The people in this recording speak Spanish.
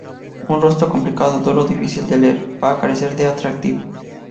Un rostro complicado, duro, o difícil de leer, va a carecer de atractivo.